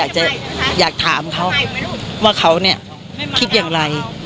จะอยากถามเขาว่าเขาเนี่ยคิดอย่างไร